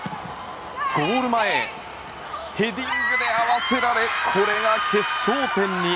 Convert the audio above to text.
ゴール前ヘディングで合わせられこれが決勝点に。